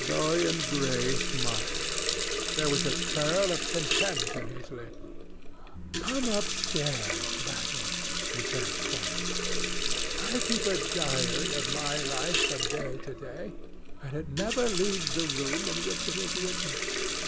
Dorian Gray smiled. There was a curl of contempt in his lips. "Come upstairs, Basil," he said quietly. "I keep a diary of my life from day to day, and it never leaves the room in which it is written.